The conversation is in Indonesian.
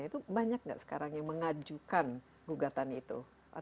itu banyak nggak sekarang yang mengajukan gugatan itu